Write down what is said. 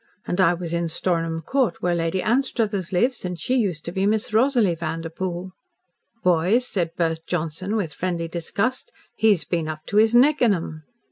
And I was in Stornham Court where Lady Anstruthers lives and she used to be Miss Rosalie Vanderpoel." "Boys," said Bert Johnson, with friendly disgust, "he's been up to his neck in 'em."